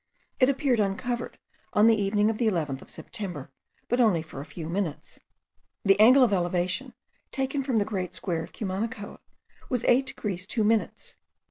It appeared uncovered on the evening of the 11th of September, but only for a few minutes. The angle of elevation, taken from the great square of Cumanacoa, was 8 degrees 2 minutes.